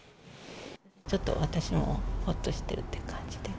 ちょっと私もほっとしてるっていう感じで。